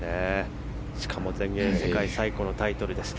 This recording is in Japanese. しかも全英世界最古のタイトルです。